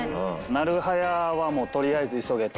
なる早はとりあえず急げと。